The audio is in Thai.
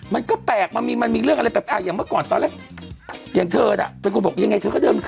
มันก็แปลกมันมีมันมีเรื่องอะไรเอ่ออย่างเมื่อก่อนตอนแรก